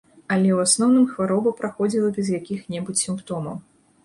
Але ў асноўным хвароба праходзіла без якіх-небудзь сімптомаў.